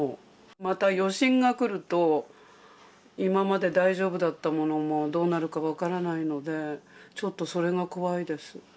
また余震が来ると、今まで大丈夫だったものもどうなるか分からないので、ちょっとそれが怖いです。